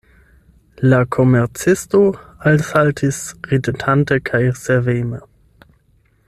La komercisto alsaltis ridetante kaj serveme.